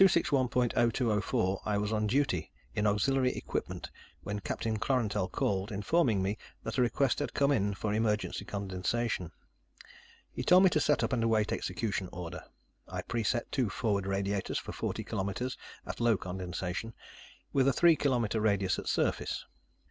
0204, I was on duty in Auxiliary Equipment when Captain Klorantel called, informing me that a request had come in for emergency condensation. He told me to set up and await execution order. I preset two forward radiators for forty kilometers at low condensation, with a three kilometer radius at surface.